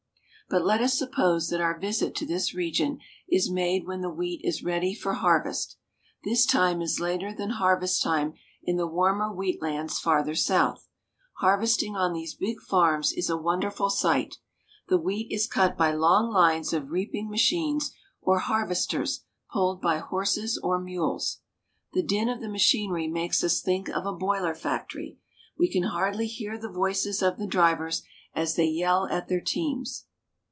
But let us suppose that our visit to this region is made when the wheat is ready for harvest. This time is later than harvest time in the warmer wheat lands farther south. Harvesting on these big farms is a wonderful sight. The wheat is cut by long lines of reaping machines, or harvest ers, pulled by horses or mules. The din of the machinery WHEAT HARVEST. 167 makes us think of a boiler factory. We can hardly hear the voices of the drivers as they yell at their teams.